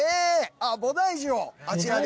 あっ菩提樹をあちらで。